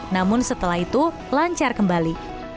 namun setelah itu lancar kembali